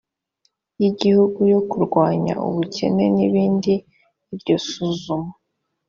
y igihugu yo kurwanya ubukene n ibindi iryo suzuma